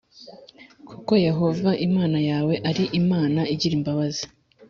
Kuko Yehova Imana yawe ari Imana igira imbabazi.